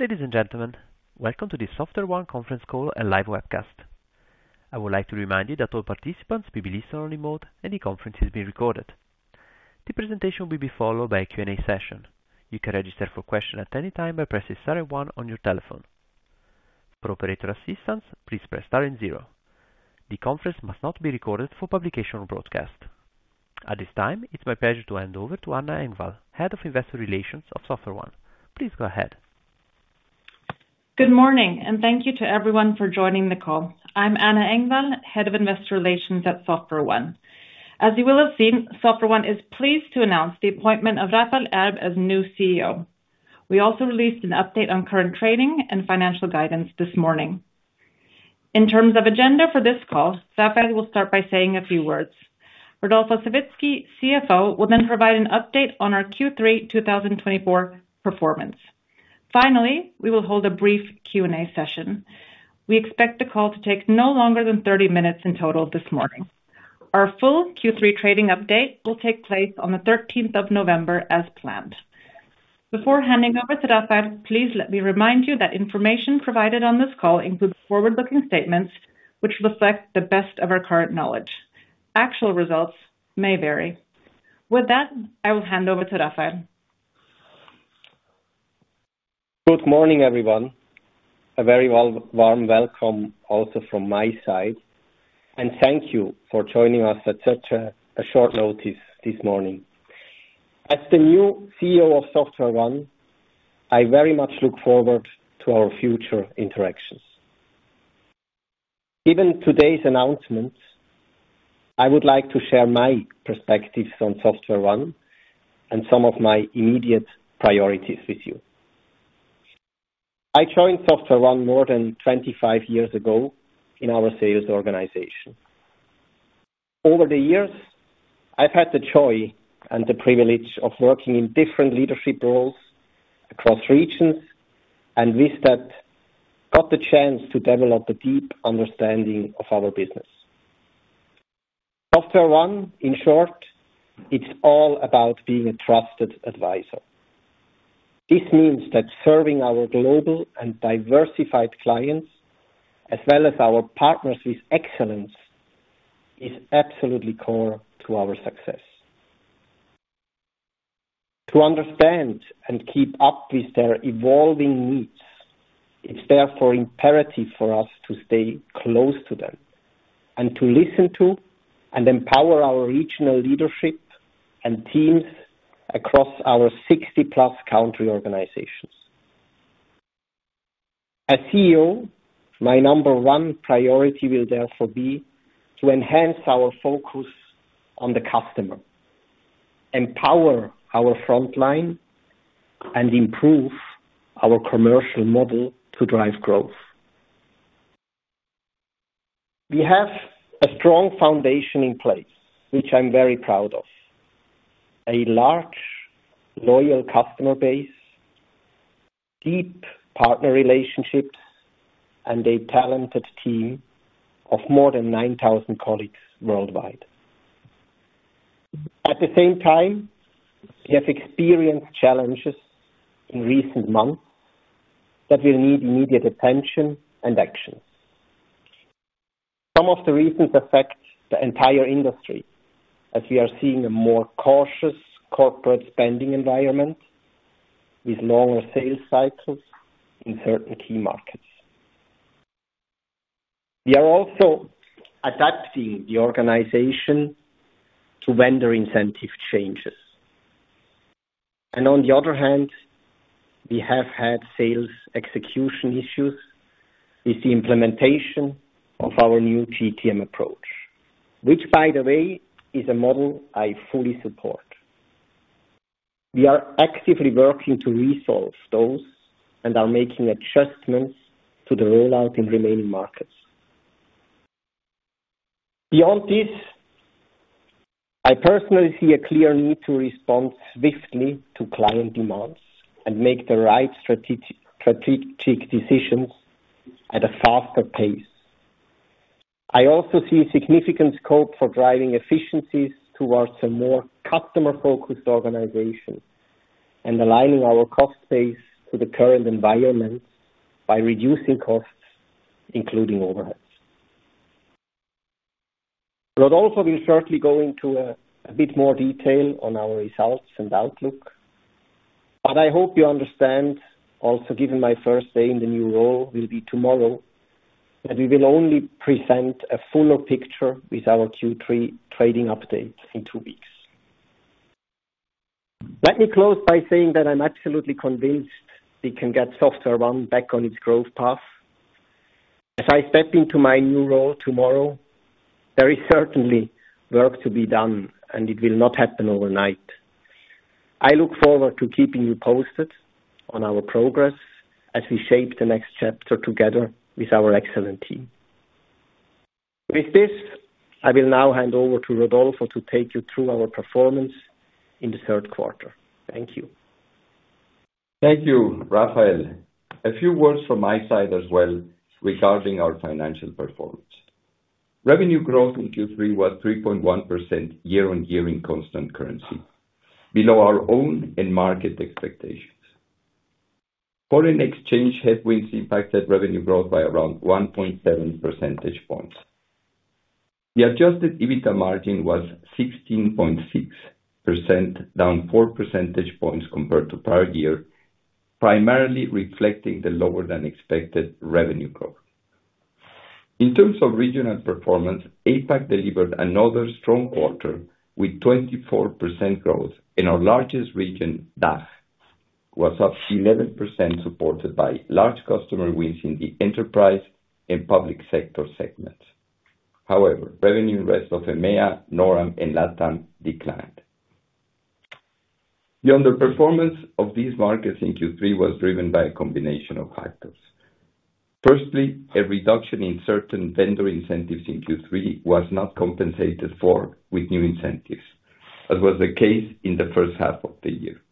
Ladies and gentlemen, welcome to the SoftwareOne Conference Call and Live Webcast. I would like to remind you that all participants will be in listen-only mode, and the conference is being recorded. The presentation will be followed by a Q&A session. You can register for questions at any time by pressing star one on your telephone. For operator assistance, please press star zero. The conference may not be recorded for publication or broadcast. At this time, it's my pleasure to hand over to Anna Engvall, Head of Investor Relations of SoftwareOne. Please go ahead. Good morning, and thank you to everyone for joining the call. I'm Anna Engvall, Head of Investor Relations at SoftwareOne. As you will have seen, SoftwareOne is pleased to announce the appointment of Raphael Erb as new CEO. We also released an update on current trading and financial guidance this morning. In terms of agenda for this call, Raphael will start by saying a few words. Rodolfo Savitzky, CFO, will then provide an update on our Q3 2024 performance. Finally, we will hold a brief Q&A session. We expect the call to take no longer than 30 minutes in total this morning. Our full Q3 trading update will take place on the 13th of November as planned. Before handing over to Raphael, please let me remind you that information provided on this call includes forward-looking statements which reflect the best of our current knowledge. Actual results may vary. With that, I will hand over to Raphael. Good morning, everyone. A very warm welcome also from my side, and thank you for joining us at such a short notice this morning. As the new CEO of SoftwareOne, I very much look forward to our future interactions. Given today's announcement, I would like to share my perspectives on SoftwareOne and some of my immediate priorities with you. I joined SoftwareOne more than 25 years ago in our sales organization. Over the years, I've had the joy and the privilege of working in different leadership roles across regions and with that I got the chance to develop a deep understanding of our business. SoftwareOne, in short, it's all about being a trusted advisor. This means that serving our global and diversified clients, as well as our partners with excellence, is absolutely core to our success. To understand and keep up with their evolving needs, it's therefore imperative for us to stay close to them and to listen to and empower our regional leadership and teams across our 60-plus country organizations. As CEO, my number one priority will therefore be to enhance our focus on the customer, empower our frontline, and improve our commercial model to drive growth. We have a strong foundation in place, which I'm very proud of: a large, loyal customer base, deep partner relationships, and a talented team of more than 9,000 colleagues worldwide. At the same time, we have experienced challenges in recent months that will need immediate attention and action. Some of the reasons affect the entire industry, as we are seeing a more cautious corporate spending environment with longer sales cycles in certain key markets. We are also adapting the organization to vendor incentive changes. And on the other hand, we have had sales execution issues with the implementation of our new GTM approach, which, by the way, is a model I fully support. We are actively working to resolve those and are making adjustments to the rollout in remaining markets. Beyond this, I personally see a clear need to respond swiftly to client demands and make the right strategic decisions at a faster pace. I also see significant scope for driving efficiencies towards a more customer-focused organization and aligning our cost base to the current environment by reducing costs, including overheads. Rodolfo will certainly go into a bit more detail on our results and outlook, but I hope you understand, also given my first day in the new role will be tomorrow, that we will only present a fuller picture with our Q3 trading update in two weeks. Let me close by saying that I'm absolutely convinced we can get SoftwareOne back on its growth path. As I step into my new role tomorrow, there is certainly work to be done, and it will not happen overnight. I look forward to keeping you posted on our progress as we shape the next chapter together with our excellent team. With this, I will now hand over to Rodolfo to take you through our performance in the third quarter. Thank you. Thank you, Raphael. A few words from my side as well regarding our financial performance. Revenue growth in Q3 was 3.1% year-on-year in constant currency, below our own and market expectations. Foreign exchange headwinds impacted revenue growth by around 1.7 percentage points. The Adjusted EBITDA margin was 16.6%, down 4 percentage points compared to prior year, primarily reflecting the lower-than-expected revenue growth. In terms of regional performance, APAC delivered another strong quarter with 24% growth, and our largest region, DACH, was up 11%, supported by large customer wins in the enterprise and public sector segments. However, revenue rest of EMEA, NORAM, and LATAM declined. The underperformance of these markets in Q3 was driven by a combination of factors. Firstly, a reduction in certain vendor incentives in Q3 was not compensated for with new incentives, as was the case in the first half of the year.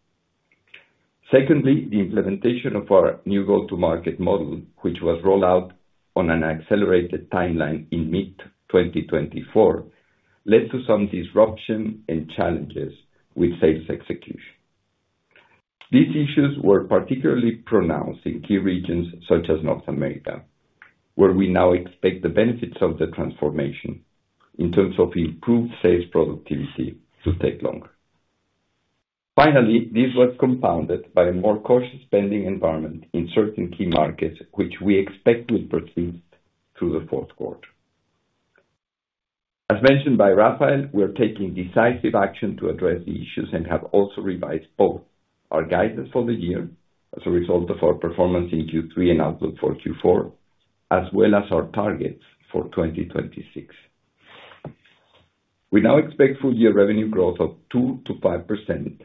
Secondly, the implementation of our new go-to-market model, which was rolled out on an accelerated timeline in mid-2024, led to some disruption and challenges with sales execution. These issues were particularly pronounced in key regions such as North America, where we now expect the benefits of the transformation in terms of improved sales productivity to take longer. Finally, this was compounded by a more cautious spending environment in certain key markets, which we expect will persist through the fourth quarter. As mentioned by Raphael, we are taking decisive action to address the issues and have also revised both our guidance for the year as a result of our performance in Q3 and outlook for Q4, as well as our targets for 2026. We now expect full-year revenue growth of 2% to 5%,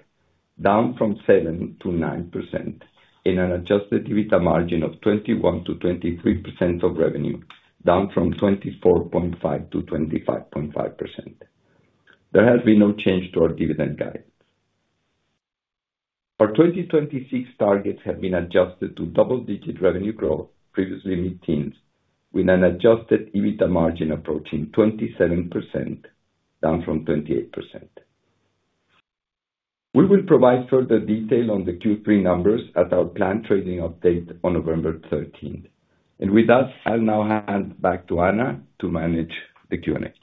down from 7% to 9%, and an Adjusted EBITDA margin of 21% to 23% of revenue, down from 24.5% to 25.5%. There has been no change to our dividend guidance. Our 2026 targets have been adjusted to double-digit revenue growth, previously mid-teens, with an Adjusted EBITDA margin approaching 27%, down from 28%. We will provide further detail on the Q3 numbers at our planned trading update on November 13th. And with that, I'll now hand back to Anna to manage the Q&A.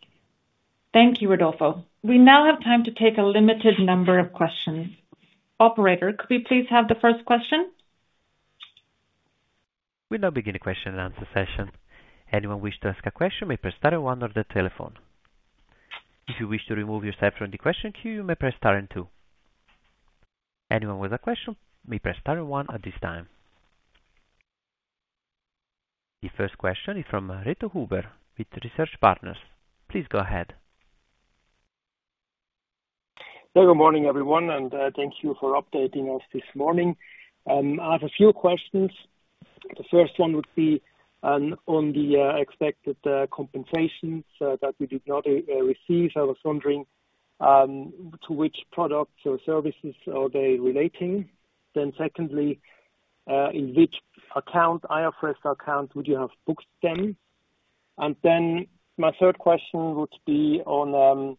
Thank you, Rodolfo. We now have time to take a limited number of questions. Operator, could we please have the first question? We now begin a question-and-answer session. Anyone wishing to ask a question may press star one on the telephone. If you wish to remove yourself from the question queue, you may press star two. Anyone with a question may press star one at this time. The first question is from Reto Huber with Research Partners. Please go ahead. Good morning, everyone, and thank you for updating us this morning. I have a few questions. The first one would be on the expected compensations that we did not receive. I was wondering to which products or services are they relating? Then secondly, in which account, IFRS account, would you have booked them? And then my third question would be on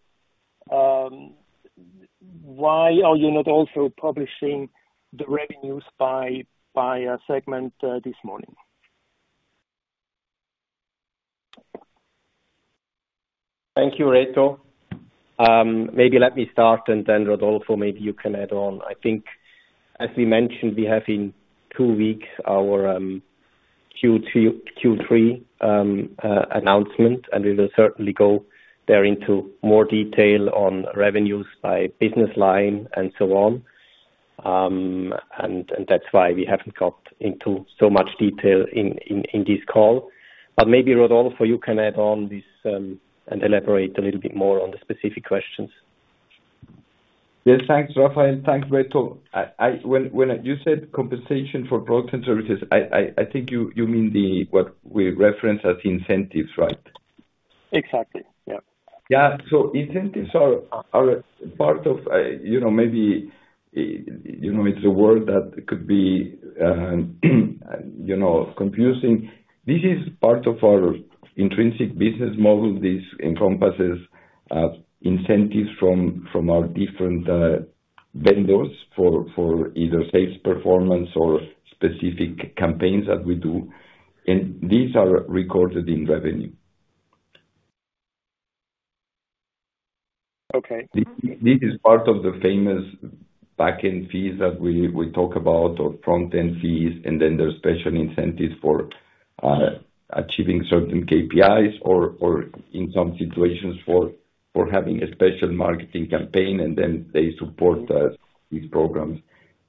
why are you not also publishing the revenues by segment this morning? Thank you, Reto. Maybe let me start, and then Rodolfo, maybe you can add on. I think, as we mentioned, we have in two weeks our Q3 announcement, and we will certainly go there into more detail on revenues by business line and so on. And that's why we haven't got into so much detail in this call. But maybe Rodolfo, you can add on this and elaborate a little bit more on the specific questions. Yes, thanks, Raphael. Thanks, Reto. When you said compensation for products and services, I think you mean what we reference as incentives, right? Exactly, yeah. Yeah, so incentives are part of. Maybe it's a word that could be confusing. This is part of our intrinsic business model. This encompasses incentives from our different vendors for either sales performance or specific campaigns that we do, and these are recorded in revenue. Okay. This is part of the famous back-end fees that we talk about, or front-end fees, and then there's special incentives for achieving certain KPIs, or in some situations for having a special marketing campaign, and then they support these programs,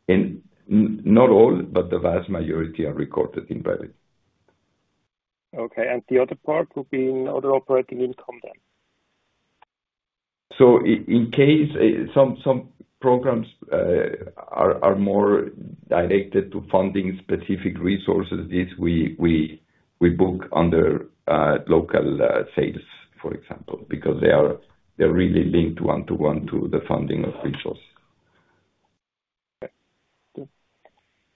and not all, but the vast majority are recorded in revenue. Okay, and the other part would be in other operating income then? In case some programs are more directed to funding specific resources, these we book under local sales, for example, because they're really linked one-to-one to the funding of resources. Okay.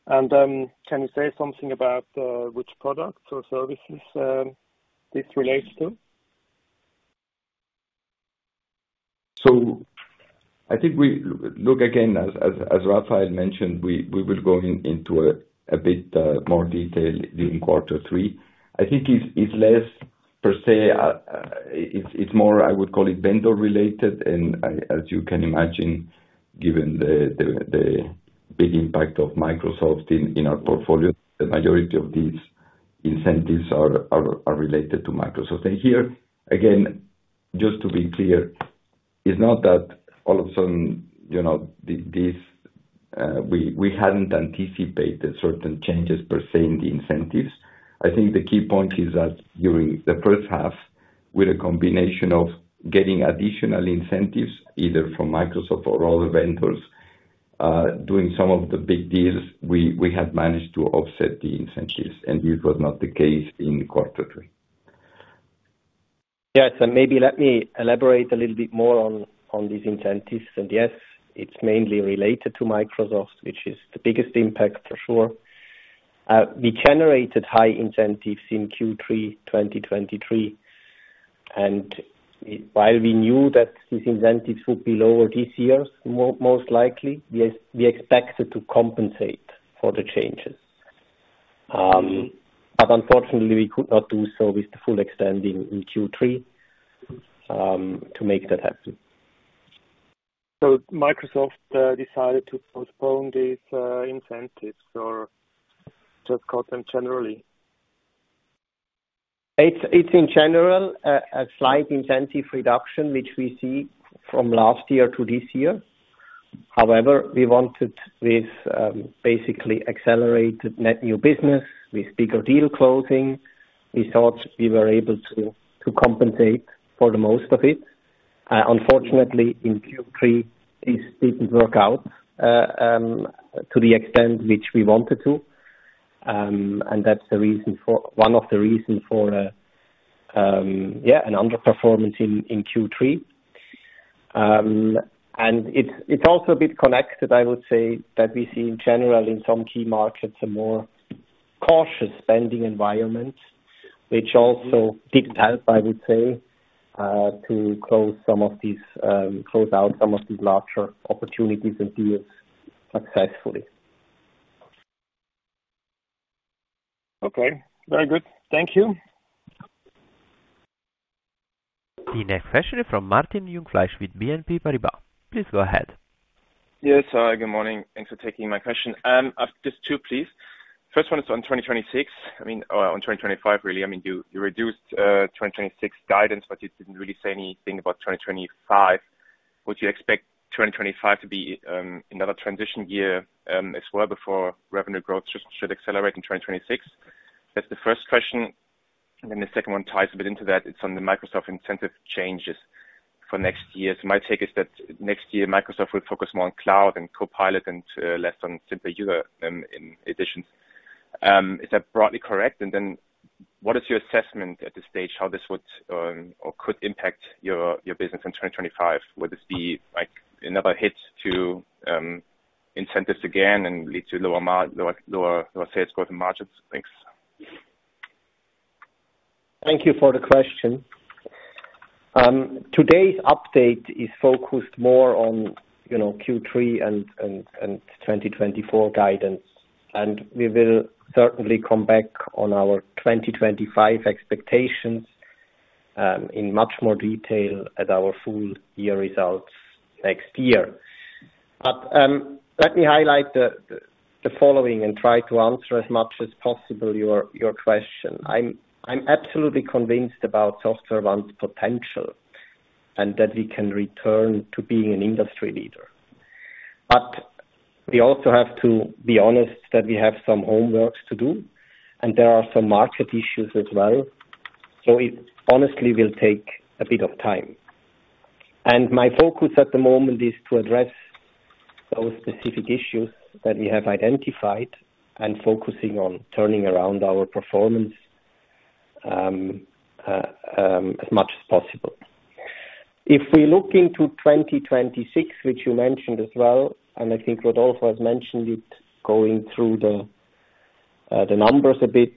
And can you say something about which products or services this relates to? So I think we look again, as Raphael mentioned, we will go into a bit more detail during quarter three. I think it's less per se. It's more, I would call it, vendor-related, and as you can imagine, given the big impact of Microsoft in our portfolio, the majority of these incentives are related to Microsoft. And here, again, just to be clear, it's not that all of a sudden we hadn't anticipated certain changes per se in the incentives. I think the key point is that during the first half, with a combination of getting additional incentives, either from Microsoft or other vendors, doing some of the big deals, we had managed to offset the incentives, and this was not the case in quarter three. Yes, and maybe let me elaborate a little bit more on these incentives. And yes, it's mainly related to Microsoft, which is the biggest impact, for sure. We generated high incentives in Q3 2023, and while we knew that these incentives would be lower this year, most likely, we expected to compensate for the changes. But unfortunately, we could not do so to the full extent in Q3 to make that happen. So Microsoft decided to postpone these incentives or just cut them generally? It's in general a slight incentive reduction, which we see from last year to this year. However, we wanted this basically accelerated net new business with bigger deal closing. We thought we were able to compensate for the most of it. Unfortunately, in Q3, this didn't work out to the extent which we wanted to, and that's one of the reasons for, yeah, an underperformance in Q3. It's also a bit connected, I would say, that we see in general in some key markets a more cautious spending environment, which also didn't help, I would say, to close some of these larger opportunities and deals successfully. Okay, very good. Thank you. The next question is from Martin Jungfleisch with BNP Paribas. Please go ahead. Yes, good morning. Thanks for taking my question. Just two, please. First one is on 2026. I mean, or on 2025, really. I mean, you reduced 2026 guidance, but you didn't really say anything about 2025. Would you expect 2025 to be another transition year as well before revenue growth should accelerate in 2026? That's the first question. And then the second one ties a bit into that. It's on the Microsoft incentive changes for next year. So my take is that next year, Microsoft will focus more on cloud and Copilot and less on simple user additions. Is that broadly correct? And then what is your assessment at this stage how this would or could impact your business in 2025? Would this be another hit to incentives again and lead to lower sales growth and margin things? Thank you for the question. Today's update is focused more on Q3 and 2024 guidance, and we will certainly come back on our 2025 expectations in much more detail at our full-year results next year. But let me highlight the following and try to answer as much as possible your question. I'm absolutely convinced about SoftwareOne's potential and that we can return to being an industry leader. But we also have to be honest that we have some homework to do, and there are some market issues as well. So it honestly will take a bit of time. And my focus at the moment is to address those specific issues that we have identified and focusing on turning around our performance as much as possible. If we look into 2026, which you mentioned as well, and I think Rodolfo has mentioned it going through the numbers a bit,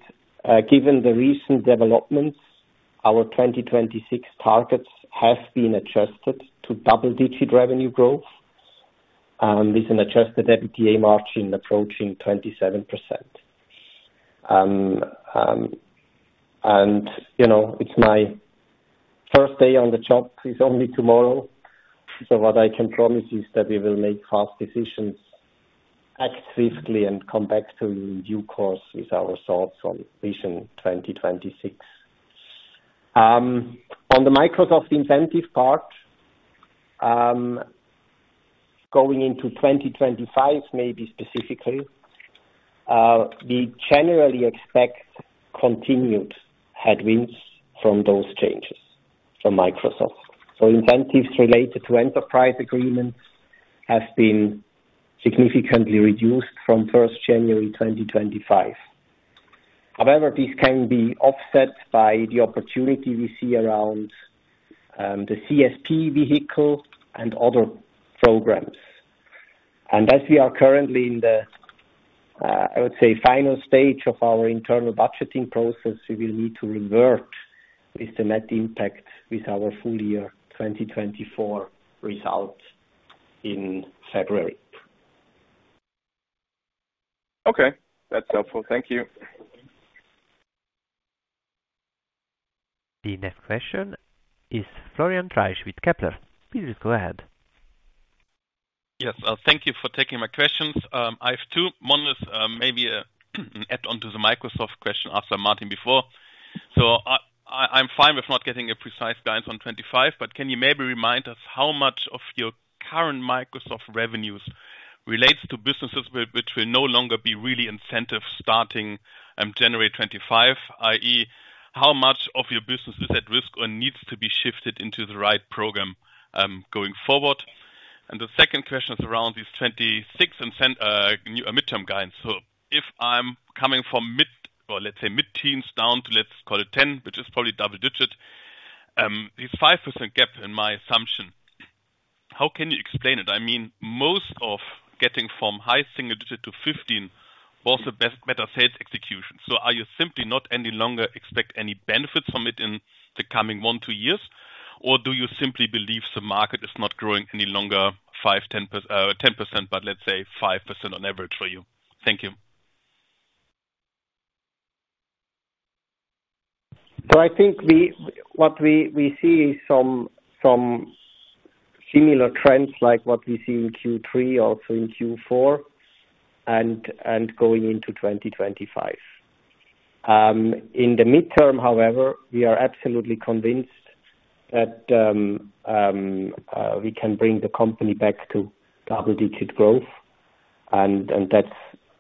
given the recent developments, our 2026 targets have been adjusted to double-digit revenue growth with an Adjusted EBITDA margin approaching 27%. And it's my first day on the job. It's only tomorrow. So what I can promise is that we will make fast decisions, act swiftly, and come back to you in due course with our thoughts on Vision 2026. On the Microsoft incentive part, going into 2025, maybe specifically, we generally expect continued headwinds from those changes from Microsoft. So incentives related to Enterprise Agreements have been significantly reduced from 1st January 2025. However, this can be offset by the opportunity we see around the CSP vehicle and other programs. As we are currently in the, I would say, final stage of our internal budgeting process, we will need to revert with the net impact with our full-year 2024 result in February. Okay, that's helpful. Thank you. The next question is Florian Treisch with Kepler Cheuvreux. Please go ahead. Yes, thank you for taking my questions. I have two. One is maybe an add-on to the Microsoft question after Martin before. So I'm fine with not getting a precise guidance on 25, but can you maybe remind us how much of your current Microsoft revenues relates to businesses which will no longer be really incentivized starting January 25, i.e., how much of your business is at risk or needs to be shifted into the right program going forward? And the second question is around these 26 midterm guidance. So if I'm coming from mid, or let's say mid-teens down to, let's call it 10, which is probably double-digit, this 5% gap in my assumption, how can you explain it? I mean, most of getting from high single digit to 15 was a better sales execution. So are you simply not any longer expect any benefits from it in the coming one to two years, or do you simply believe the market is not growing any longer 5%-10%, but let's say 5% on average for you? Thank you. So I think what we see is some similar trends like what we see in Q3, also in Q4, and going into 2025. In the midterm, however, we are absolutely convinced that we can bring the company back to double-digit growth, and that's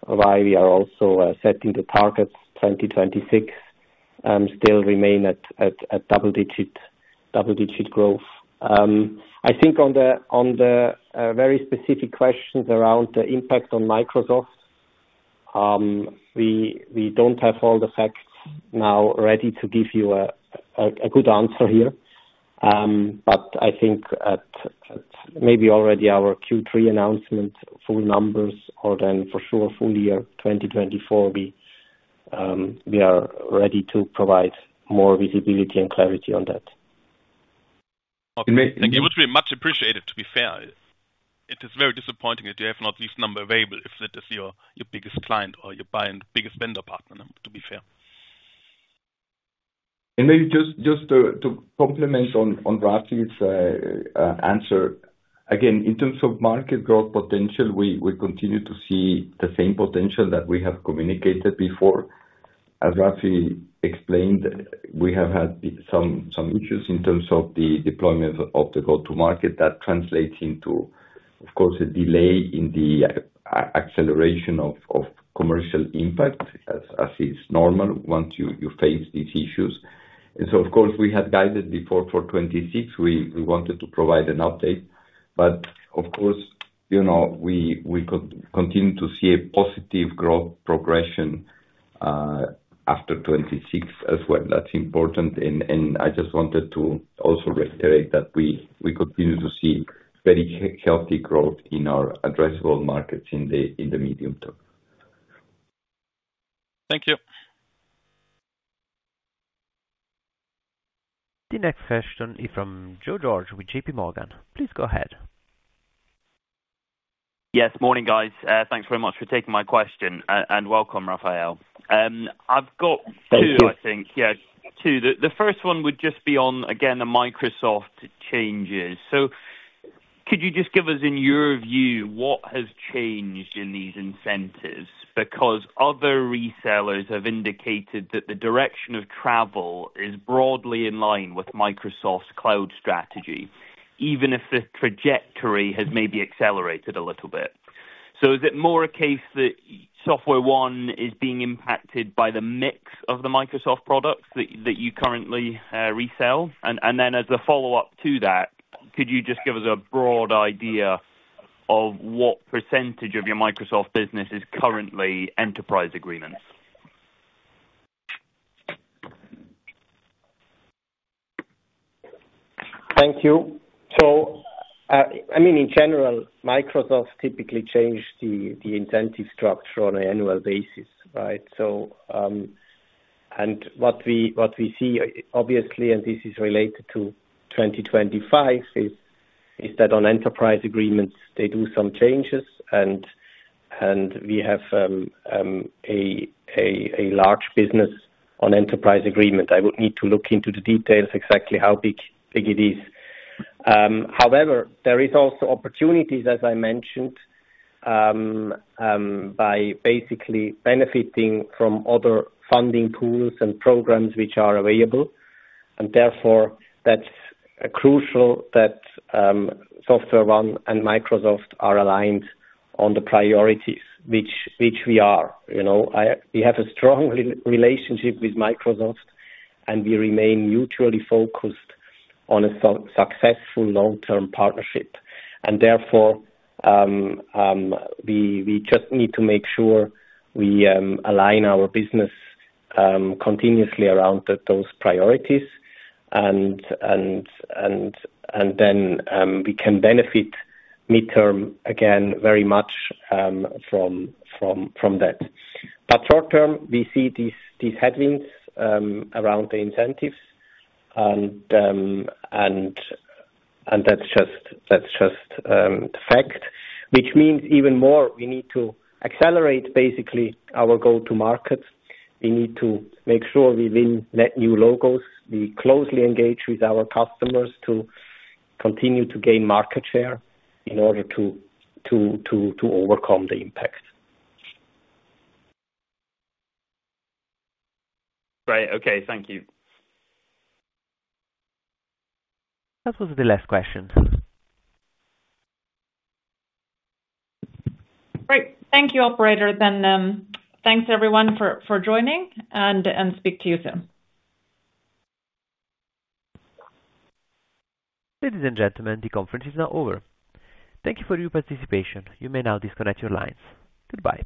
why we are also setting the targets 2026 still remain at double-digit growth. I think on the very specific questions around the impact on Microsoft, we don't have all the facts now ready to give you a good answer here, but I think at maybe already our Q3 announcement, full numbers, or then for sure full year 2024, we are ready to provide more visibility and clarity on that. It would be much appreciated, to be fair. It is very disappointing that you have not this number available if that is your biggest client or your biggest vendor partner, to be fair. Maybe just to complement on Rafi's answer, again, in terms of market growth potential, we continue to see the same potential that we have communicated before. As Rafi explained, we have had some issues in terms of the deployment of the go-to-market that translates into, of course, a delay in the acceleration of commercial impact, as is normal once you face these issues. And so, of course, we had guided before for 2026. We wanted to provide an update, but of course, we continue to see a positive growth progression after 2026 as well. That's important, and I just wanted to also reiterate that we continue to see very healthy growth in our addressable markets in the medium term. Thank you. The next question is from Joe George with J.P. Morgan. Please go ahead. Yes, morning, guys. Thanks very much for taking my question, and welcome, Raphael. I've got two, I think. Yeah, two. The first one would just be on, again, the Microsoft changes. So could you just give us, in your view, what has changed in these incentives? Because other resellers have indicated that the direction of travel is broadly in line with Microsoft's cloud strategy, even if the trajectory has maybe accelerated a little bit. So is it more a case that SoftwareOne is being impacted by the mix of the Microsoft products that you currently resell? And then, as a follow-up to that, could you just give us a broad idea of what percentage of your Microsoft business is currently enterprise agreements? Thank you. So, I mean, in general, Microsoft typically changes the incentive structure on an annual basis, right? And what we see, obviously, and this is related to 2025, is that on Enterprise Agreements, they do some changes, and we have a large business on Enterprise Agreement. I would need to look into the details exactly how big it is. However, there are also opportunities, as I mentioned, by basically benefiting from other funding pools and programs which are available, and therefore that's crucial that SoftwareOne and Microsoft are aligned on the priorities, which we are. We have a strong relationship with Microsoft, and we remain mutually focused on a successful long-term partnership. And therefore, we just need to make sure we align our business continuously around those priorities, and then we can benefit midterm again very much from that. But short term, we see these headwinds around the incentives, and that's just the fact, which means even more we need to accelerate basically our go-to-market. We need to make sure we win net new logos. We closely engage with our customers to continue to gain market share in order to overcome the impact. Right. Okay. Thank you. That was the last question. Great. Thank you, Operator. Then thanks, everyone, for joining, and speak to you soon. Ladies and gentlemen, the conference is now over. Thank you for your participation. You may now disconnect your lines. Goodbye.